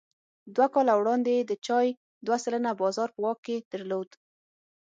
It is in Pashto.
دوه کاله وړاندې یې د چای دوه سلنه بازار په واک کې درلود.